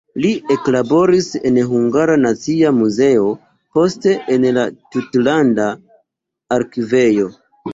Li eklaboris en Hungara Nacia Muzeo, poste en la tutlanda arkivejo.